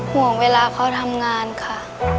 ห่วงเวลาเขาทำงานค่ะ